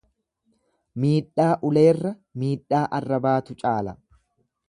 Miidhaa uleerra miidhaa arrabaatu caala.